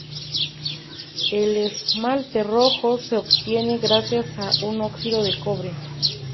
El esmalte rojo se obtiene gracias a un óxido de cobre.